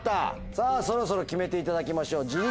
さぁそろそろ決めていただきましょう。